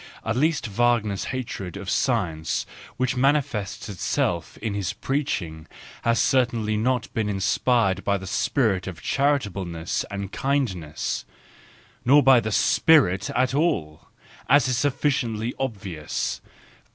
At least Wagner's hatred of science, which mani¬ fests itself in his preaching, has certainly not been inspired by the spirit of charitableness and kindness—nor by the spirit at all, as is sufficiently obvious.